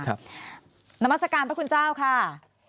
นามัศกาลพระคุณเจ้าค่ะ